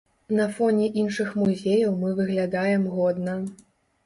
На фоне іншых музеяў мы выглядаем годна!